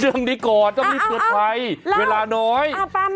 เรื่องนี้ก่อนต้องมีเตือนภัยเวลาน้อย